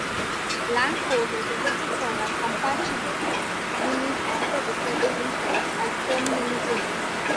Langford was rejected for a compassionate release after describing himself as "terminally-ill".